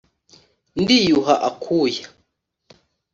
Ndiyuha akuya